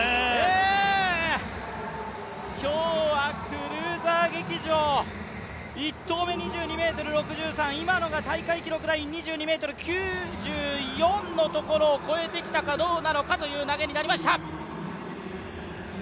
今日はクルーザー劇場、１投目２２ｍ６３、今のが大会記録ライン２２ｍ９４のところを越えてきたのかどうなのかという投げになりました。